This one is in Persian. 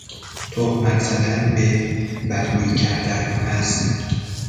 تهمت زدن به، بدگویی کردن از...